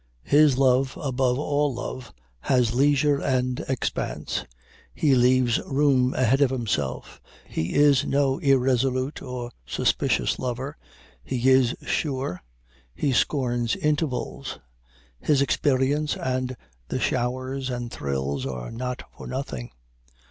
His love above all love has leisure and expanse he leaves room ahead of himself. He is no irresolute or suspicious lover he is sure he scorns intervals. His experience and the showers and thrills are not for nothing.